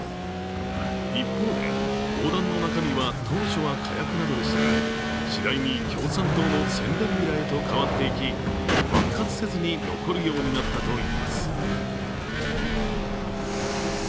一方で砲弾の中身は当初は火薬などでしたが次第に共産党の宣伝ビラへと変わっていき爆発せずに残るようになったといいます。